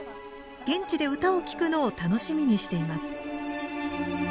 現地で唄を聴くのを楽しみにしています。